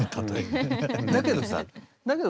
だけどさだけど